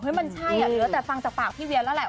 เห้ยมันใช่อะเดี๋ยวแต่ฟังจากปากพี่เวียล่ะแหล่ะ